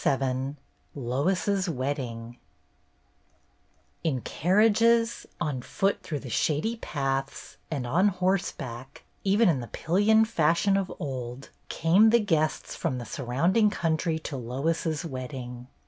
XXVII LOIs's WEDDING I N carriages, on foot through the shady paths, and on horseback, even in the pil lion fashion of old, came the guests from the surrounding country to Lois's wedding.